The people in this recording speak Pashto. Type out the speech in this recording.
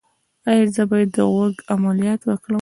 ایا زه باید د غوږ عملیات وکړم؟